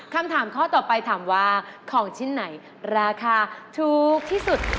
คำถามข้อต่อไปถามว่าของชิ้นไหนราคาถูกที่สุด